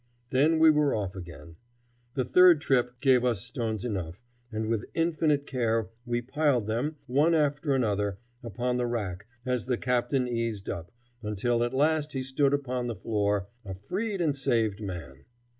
Then we were off again. The third trip gave us stones enough, and with infinite care we piled them, one after another, upon the rack as the Captain eased up, until at last he stood upon the floor, a freed and saved man.